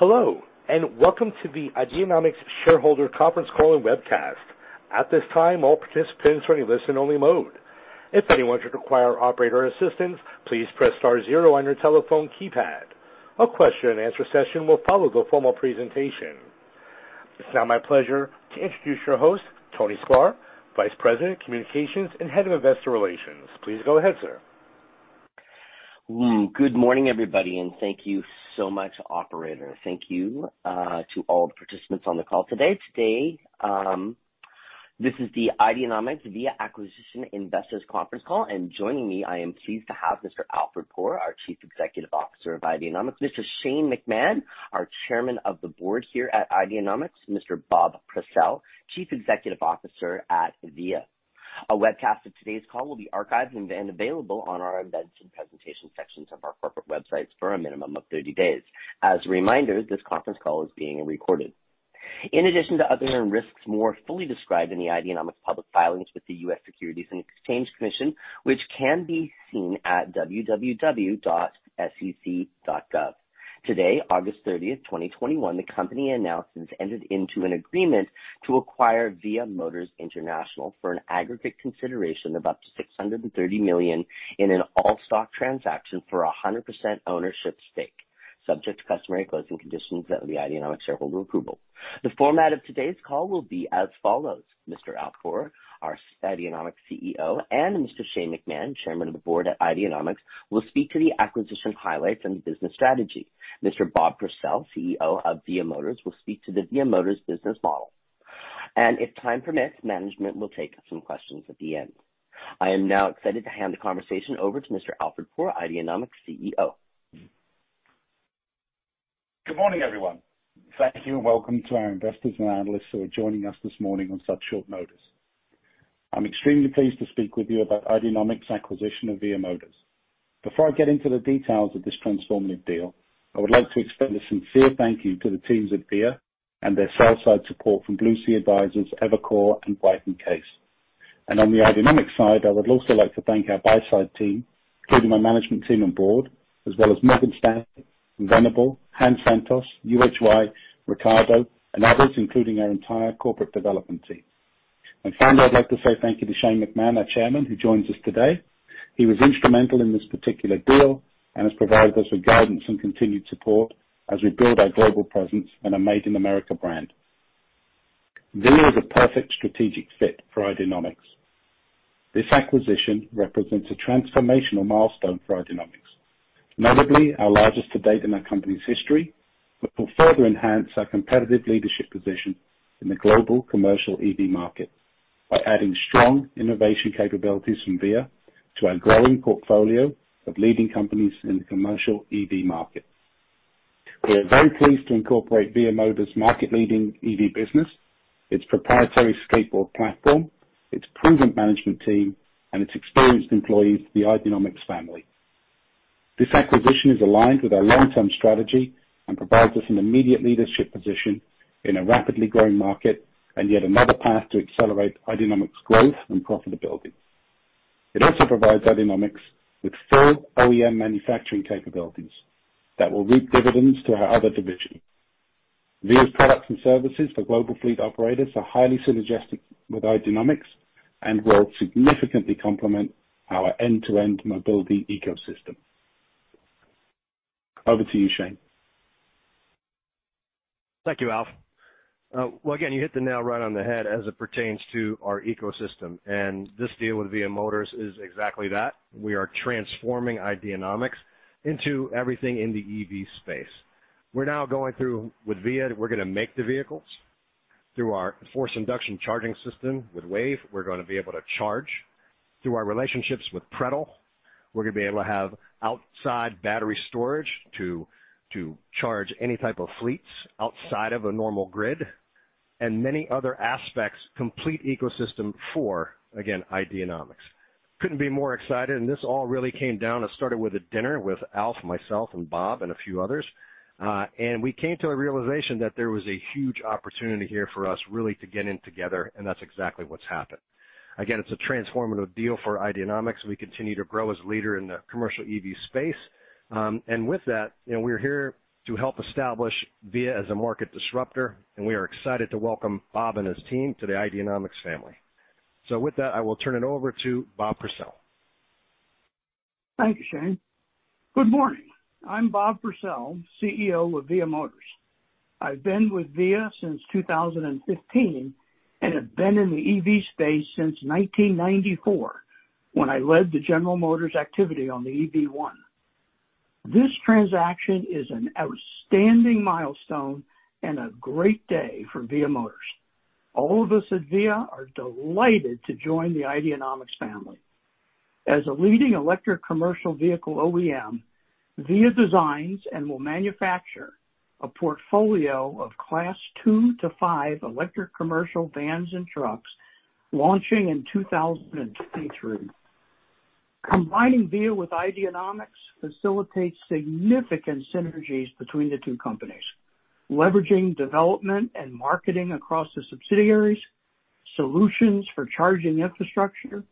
Hello, welcome to the Ideanomics shareholder conference call and webcast. At this time, all participants are in listen-only mode. If anyone should require operator assistance, please press star zero on your telephone keypad. A question and answer session will follow the formal presentation. It's now my pleasure to introduce your host, Tony Sklar, Vice President of Communications, and Head of Investor Relations. Please go ahead, sir. Good morning, everybody. Thank you so much, operator. Thank you to all the participants on the call today. Today, this is the Ideanomics VIA Acquisition Investors conference call, and joining me, I am pleased to have Mr. Alfred Poor, our Chief Executive Officer of Ideanomics, Mr. Shane McMahon, our Chairman of the Board here at Ideanomics, Mr. Bob Purcell, Chief Executive Officer at VIA. A webcast of today's call will be archived and available on our events and presentations sections of our corporate websites for a minimum of 30 days. As a reminder, this conference call is being recorded. In addition to other risks more fully described in the Ideanomics public filings with the U.S. Securities and Exchange Commission, which can be seen at www.sec.gov. Today, August 30th, 2021, the company announced it's entered into an agreement to acquire VIA Motors International for an aggregate consideration of up to $630 million in an all-stock transaction for 100% ownership stake, subject to customary closing conditions and the Ideanomics shareholder approval. The format of today's call will be as follows. Mr. Alf Poor, our Ideanomics CEO, and Mr. Shane McMahon, Chairman of the Board at Ideanomics, will speak to the acquisition highlights and the business strategy. Mr. Bob Purcell, CEO of VIA Motors, will speak to the VIA Motors business model. If time permits, management will take some questions at the end. I am now excited to hand the conversation over to Mr. Alf Poor, Ideanomics CEO. Good morning, everyone. Thank you, welcome to our investors and analysts who are joining us this morning on such short notice. I'm extremely pleased to speak with you about Ideanomics acquisition of VIA Motors. Before I get into the details of this transformative deal, I would like to extend a sincere thank you to the teams at VIA and their sell-side support from Blue Sea Advisors, Evercore, and Bryan Cave. On the Ideanomics side, I would also like to thank our buy-side team, including my management team on board, as well as Megan Stack, Venable, Han Santos, UHY, Ricardo, and others, including our entire corporate development team. Finally, I'd like to say thank you to Shane McMahon, our Chairman, who joins us today. He was instrumental in this particular deal and has provided us with guidance and continued support as we build our global presence and a Made in America brand. VIA is a perfect strategic fit for Ideanomics. This acquisition represents a transformational milestone for Ideanomics, notably our largest to date in our company's history, which will further enhance our competitive leadership position in the global commercial EV market by adding strong innovation capabilities from VIA to our growing portfolio of leading companies in the commercial EV market. We are very pleased to incorporate VIA Motors market-leading EV business, its proprietary skateboard platform, its prudent management team, and its experienced employees to the Ideanomics family. This acquisition is aligned with our long-term strategy and provides us an immediate leadership position in a rapidly growing market and yet another path to accelerate Ideanomics growth and profitability. It also provides Ideanomics with full OEM manufacturing capabilities that will reap dividends to our other divisions. VIA's products and services for global fleet operators are highly synergistic with Ideanomics and will significantly complement our end-to-end mobility ecosystem. Over to you, Shane. Thank you, Alf. Well, again, you hit the nail right on the head as it pertains to our ecosystem. This deal with VIA Motors is exactly that. We are transforming Ideanomics into everything in the EV space. We're now going through with VIA. We're gonna make the vehicles through our wireless induction charging system with WAVE. We're gonna be able to charge through our relationships with Prettl. We're gonna be able to have outside battery storage to charge any type of fleets outside of a normal grid and many other aspects, complete ecosystem for, again, Ideanomics. Couldn't be more excited. This all really came down, it started with a dinner with Alf, myself, and Bob, and a few others. We came to a realization that there was a huge opportunity here for us really to get in together, and that's exactly what's happened. Again, it's a transformative deal for Ideanomics. We continue to grow as leader in the commercial EV space. With that, we're here to help establish VIA as a market disruptor, and we are excited to welcome Bob and his team to the Ideanomics family. With that, I will turn it over to Bob Purcell. Thank you, Shane. Good morning. I'm Bob Purcell, CEO of VIA Motors. I've been with VIA since 2015 and have been in the EV space since 1994 when I led the General Motors activity on the EV1. This transaction is an outstanding milestone and a great day for VIA Motors. All of us at VIA are delighted to join the Ideanomics family. As a leading electric commercial vehicle OEM, VIA designs and will manufacture a portfolio of Class 2 to 5 electric commercial vans and trucks launching in 2023. Combining VIA with Ideanomics facilitates significant synergies between the two companies, leveraging development and marketing across the subsidiaries, solutions for charging infrastructure.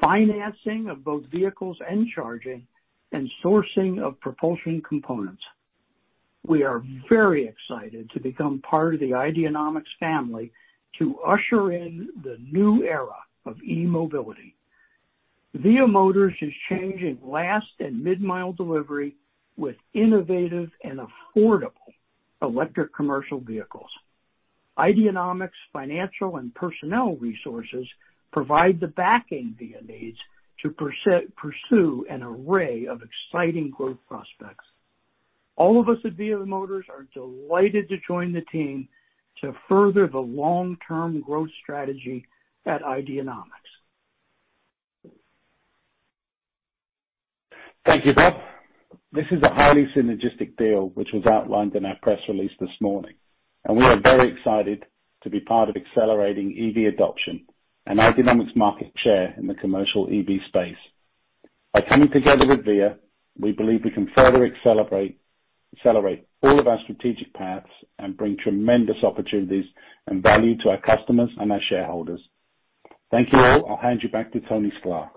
Financing of both vehicles and charging and sourcing of propulsion components. We are very excited to become part of the Ideanomics family to usher in the new era of e-mobility. VIA Motors is changing last and mid-mile delivery with innovative and affordable electric commercial vehicles. Ideanomics' financial and personnel resources provide the backing VIA needs to pursue an array of exciting growth prospects. All of us at VIA Motors are delighted to join the team to further the long-term growth strategy at Ideanomics. Thank you, Bob. This is a highly synergistic deal which was outlined in our press release this morning, and we are very excited to be part of accelerating EV adoption and Ideanomics market share in the commercial EV space. By coming together with VIA Motors, we believe we can further accelerate all of our strategic paths and bring tremendous opportunities and value to our customers and our shareholders. Thank you all. I'll hand you back to Tony Sklar.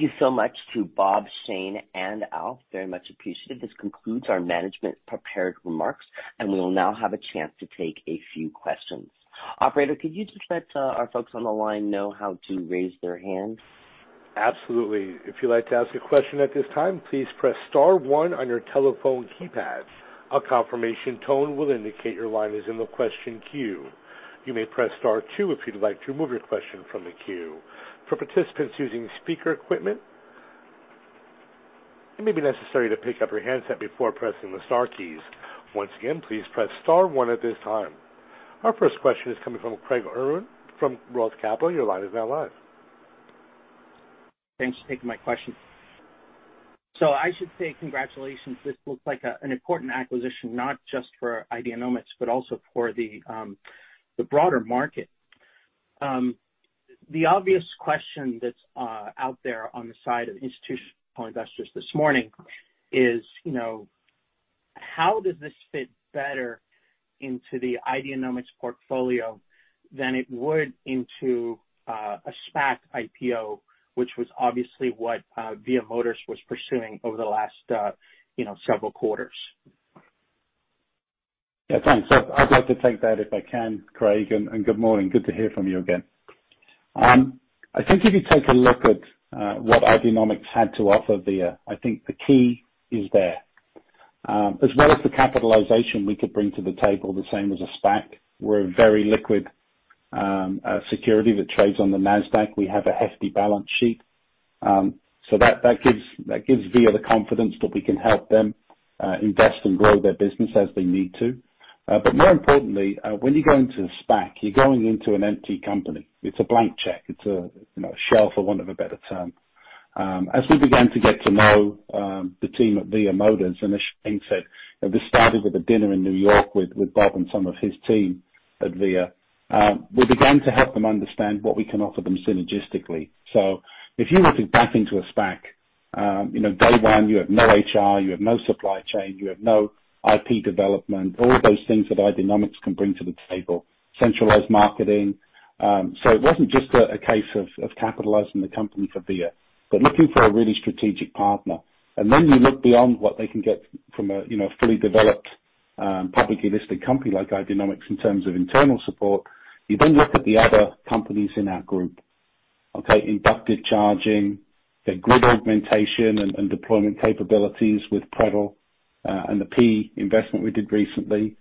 Thank you so much to Bob, Shane, and Alf. Very much appreciated. This concludes our management prepared remarks, and we will now have a chance to take a few questions. Operator, could you just let our folks on the line know how to raise their hands? Absolutely. If you'd like to ask a question at this time, please press star one on your telephone keypad. A confirmation tone will indicate your line is in the question queue. You may press star two if you'd like to remove your question from the queue. For participants using speaker equipment, it may be necessary to pick up your headset before pressing the star keys. Once again, please press star one at this time. Our first question is coming from Craig Irwin from Roth Capital. Your line is now live. Thanks for taking my question. I should say congratulations. This looks like an important acquisition, not just for Ideanomics, but also for the broader market. The obvious question that's out there on the side of institutional investors this morning is, how does this fit better into the Ideanomics portfolio than it would into a SPAC IPO, which was obviously what VIA Motors was pursuing over the last several quarters? Yeah, thanks. I'd like to take that if I can, Craig, and good morning. Good to hear from you again. I think if you take a look at what Ideanomics had to offer VIA, I think the key is there. As well as the capitalization we could bring to the table the same as a SPAC. We're a very liquid security that trades on the Nasdaq. We have a hefty balance sheet. That gives VIA the confidence that we can help them invest and grow their business as they need to. More importantly, when you go into a SPAC, you're going into an empty company. It's a blank check. It's a shelf, for want of a better term. As we began to get to know the team at VIA Motors, and as Shane said, this started with a dinner in New York with Bob and some of his team at VIA. We began to help them understand what we can offer them synergistically. If you were to back into a SPAC, day one, you have no HR, you have no supply chain, you have no IP development, all of those things that Ideanomics can bring to the table, centralized marketing. It wasn't just a case of capitalizing the company for VIA, but looking for a really strategic partner. You look beyond what they can get from a fully developed, publicly listed company like Ideanomics in terms of internal support. You then look at the other companies in our group. Okay? Inductive charging, the grid augmentation and deployment capabilities with Prettl, and the Prettl investment we did recently.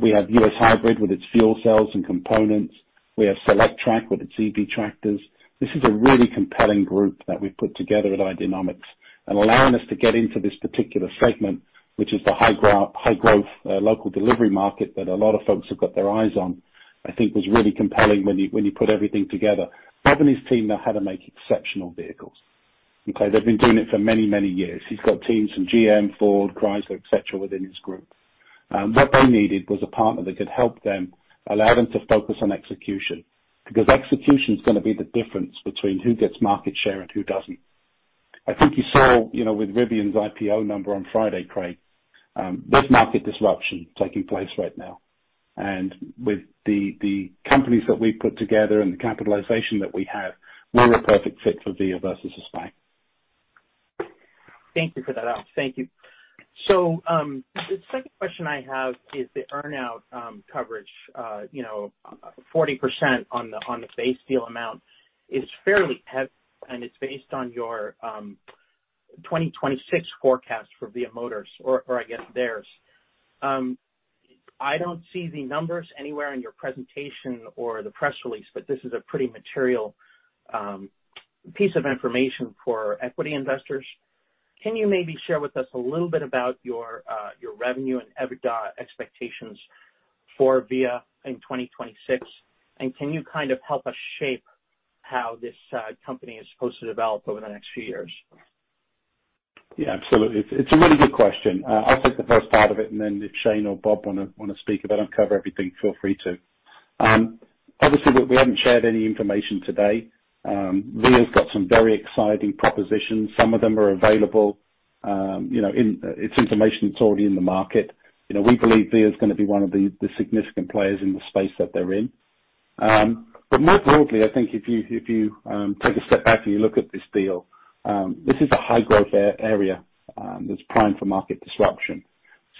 We have U.S. Hybrid with its fuel cells and components. We have Solectrac with its EV tractors. This is a really compelling group that we've put together at Ideanomics, allowing us to get into this particular segment, which is the high growth, local delivery market that a lot of folks have got their eyes on, I think, was really compelling when you put everything together. Bob and his team know how to make exceptional vehicles. Okay? They've been doing it for many, many years. He's got teams from GM, Ford, Chrysler, et cetera, within his group. What they needed was a partner that could help them, allow them to focus on execution, because execution is going to be the difference between who gets market share and who doesn't. I think you saw with Rivian's IPO number on Friday, Craig, there's market disruption taking place right now. With the companies that we've put together and the capitalization that we have, we're a perfect fit for VIA versus a SPAC. Thank you for that, Alf. Thank you. The second question I have is the earn-out coverage. 40% on the base deal amount is fairly heavy, and it's based on your 2026 forecast for VIA Motors, or I guess theirs. I don't see the numbers anywhere in your presentation or the press release, but this is a pretty material piece of information for equity investors. Can you maybe share with us a little bit about your revenue and EBITDA expectations for VIA in 2026, and can you kind of help us shape how this company is supposed to develop over the next few years? Yeah, absolutely. It's a really good question. I'll take the first part of it, and then if Shane or Bob want to speak, if I don't cover everything, feel free to. Obviously, we haven't shared any information today. VIA's got some very exciting propositions. Some of them are available. It's information that's already in the market. We believe VIA is going to be one of the significant players in the space that they're in. More broadly, I think if you take a step back and you look at this deal, this is a high-growth area that's primed for market disruption.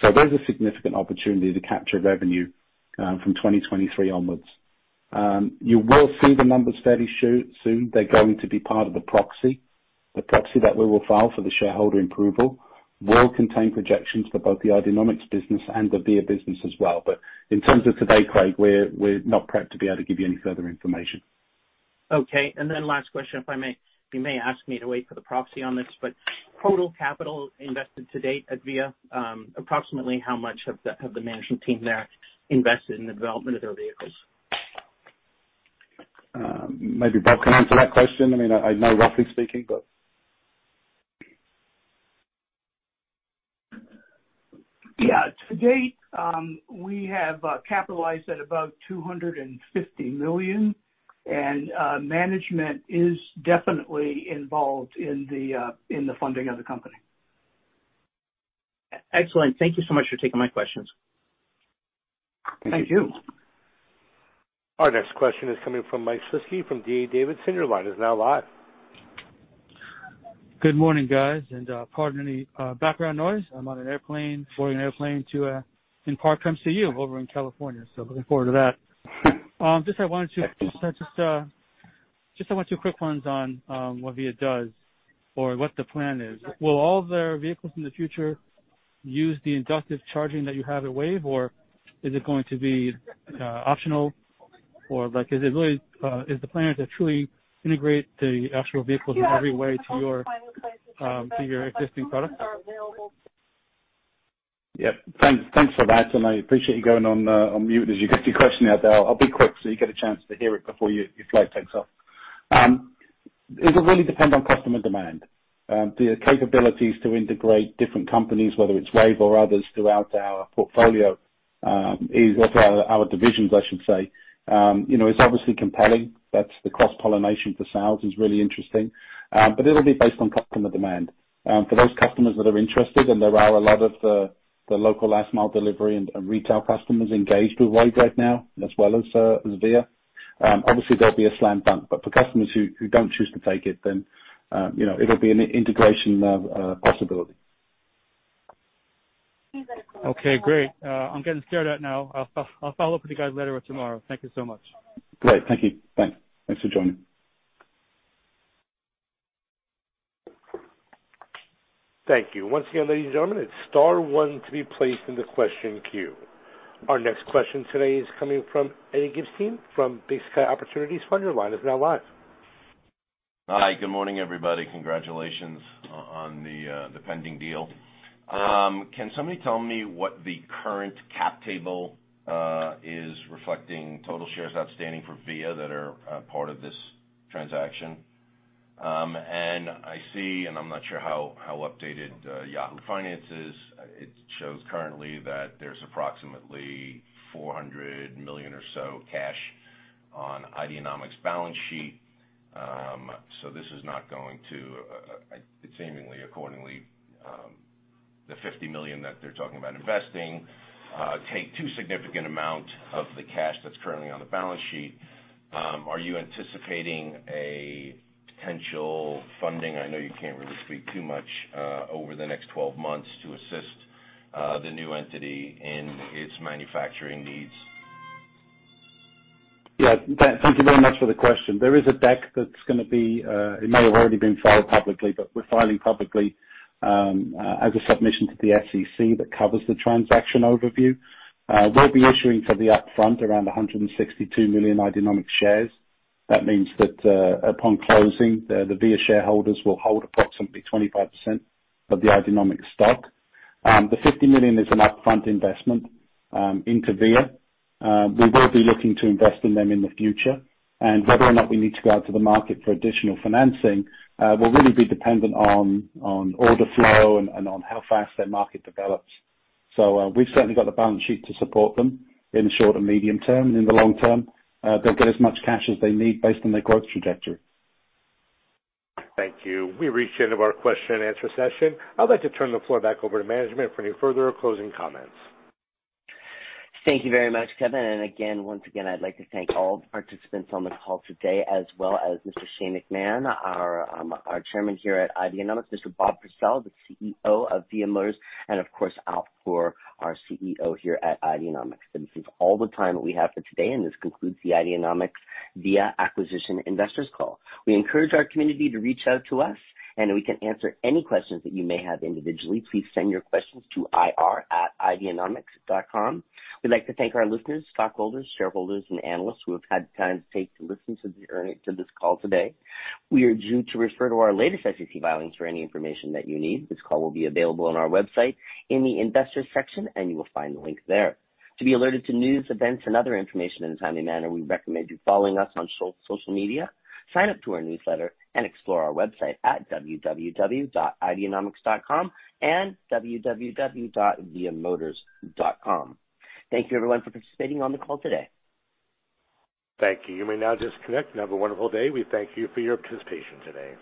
There's a significant opportunity to capture revenue from 2023 onwards. You will see the numbers fairly soon. They're going to be part of the proxy. The proxy that we will file for the shareholder approval will contain projections for both the Ideanomics business and the VIA business as well. In terms of today, Craig, we're not prepped to be able to give you any further information. Okay, last question, if I may. You may ask me to wait for the proxy on this, total capital invested to date at VIA, approximately how much have the management team there invested in the development of their vehicles? Maybe Bob can answer that question. I know roughly speaking. Yeah. To date, we have capitalized at about $250 million, and management is definitely involved in the funding of the company. Excellent. Thank you so much for taking my questions. Thank you. Our next question is coming from Mike Shlisky from D.A. Davidson. Your line is now live. Good morning, guys, and pardon any background noise. I'm on an airplane, flying an airplane to in Park City, over in California. Looking forward to that. Just I want two quick ones on what VIA does or what the plan is. Will all their vehicles in the future use the inductive charging that you have at WAVE, or is it going to be optional? Or is the plan to truly integrate the actual vehicles in every way to your existing product? Thanks for that. I appreciate you going on mute as you get your question out there. I'll be quick. You get a chance to hear it before your flight takes off. It'll really depend on customer demand. The capabilities to integrate different companies, whether it's WAVE or others, throughout our portfolio is also our divisions, I should say. It's obviously compelling. That's the cross-pollination for sales is really interesting. It'll be based on customer demand. For those customers that are interested. There are a lot of the local last mile delivery and retail customers engaged with WAVE right now, as well as VIA. Obviously, there'll be a slam dunk. For customers who don't choose to take it, then it'll be an integration possibility. Great. I'm getting scared now. I'll follow up with you guys later or tomorrow. Thank you so much. Great. Thank you. Bye. Thanks for joining. Thank you. Once again, ladies and gentlemen. Our next question today is coming from Edward Gibstein from Big Sky Opportunities Fund. Hi. Good morning, everybody. Congratulations on the pending deal. Can somebody tell me what the current cap table is reflecting total shares outstanding for VIA that are part of this transaction? I see, I'm not sure how updated Yahoo Finance is. It shows currently that there's approximately $400 million or so cash on Ideanomics' balance sheet. This is not going to, seemingly, accordingly, the $50 million that they're talking about investing take too significant amount of the cash that's currently on the balance sheet. Are you anticipating a potential funding, I know you can't really speak too much, over the next 12 months to assist the new entity in its manufacturing needs? Yeah. Thank you very much for the question. There is a deck that's going to be, it may have already been filed publicly, but we're filing publicly, as a submission to the SEC that covers the transaction overview. We'll be issuing for the upfront around $162 million Ideanomics shares. That means that, upon closing, the VIA shareholders will hold approximately 25% of the Ideanomics stock. The $50 million is an upfront investment into VIA. We will be looking to invest in them in the future. Whether or not we need to go out to the market for additional financing, will really be dependent on order flow and on how fast their market develops. We've certainly got the balance sheet to support them in the short and medium term. In the long term, they'll get as much cash as they need based on their growth trajectory. Thank you. We reached the end of our question and answer session. I'd like to turn the floor back over to management for any further closing comments. Thank you very much, Kevin. Again, once again, I'd like to thank all participants on the call today, as well as Mr. Shane McMahon, our Chairman here at Ideanomics, Mr. Bob Purcell, the CEO of VIA Motors, and of course, Alfred Poor, our CEO here at Ideanomics. This is all the time we have for today, and this concludes the Ideanomics VIA Acquisition Investors Call. We encourage our community to reach out to us, and we can answer any questions that you may have individually. Please send your questions to ir@ideanomics.com. We'd like to thank our listeners, stockholders, shareholders, and analysts who have had time to take to listen to this call today. We urge you to refer to our latest SEC filings for any information that you need. This call will be available on our website in the Investors section, and you will find the link there. To be alerted to news, events, and other information in a timely manner, we recommend you follow us on social media, sign up to our newsletter, and explore our website at www.ideanomics.com and www.viamotors.com. Thank you, everyone, for participating on the call today. Thank you. You may now disconnect and have a wonderful day. We thank you for your participation today.